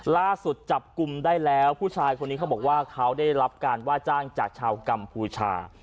ล่าสุดจับกลุ่มได้แล้วผู้ชายคนนี้เขาบอกว่าเขาได้รับการว่าจ้างจากชาวกัมพูชา